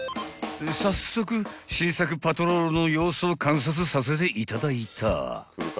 ［早速新作パトロールの様子を観察させていただいた］